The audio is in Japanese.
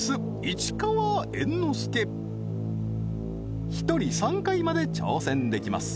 市川猿之助１人３回まで挑戦できます